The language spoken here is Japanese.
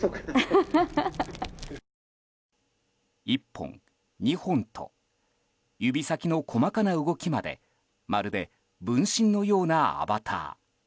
１本、２本と指先の細かな動きまでまるで分身のようなアバター。